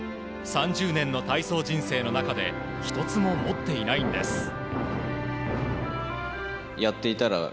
３０年の体操人生の中で１つも持っていないんです。